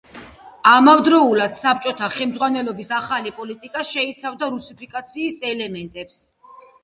ამავდროულად საბჭოთა ხელმძღვანელობის ახალი პოლიტიკა შეიცავდა რუსიფიკაციის ელემენტებს.